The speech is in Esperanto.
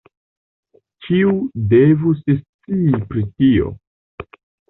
Ĉiu devus scii pri li.